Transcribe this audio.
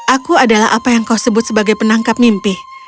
aku adalah apa yang kau sebut sebagai penangkap mimpi